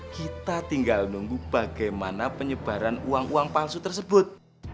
kita tinggal nunggu bagaimana penyebaran uang uang palsu tersebut